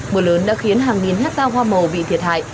mưa lớn đã khiến hàng nghìn hectare hoa màu bị thiệt hại